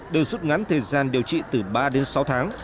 đều rút ngắn thời gian điều trị từ ba đến sáu tháng